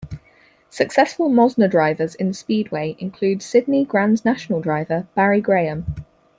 Successful Monza drivers in speedway include Sydney Grand National driver Barry Graham.